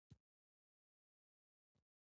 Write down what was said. د نامکمل باکتریاوو په ګروپ کې شامل دي.